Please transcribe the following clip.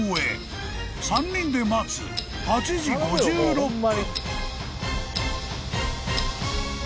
［３人で待つ８時５６分］